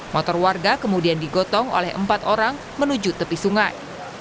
motor warga kemudian digotong oleh empat orang menuju tepi sungai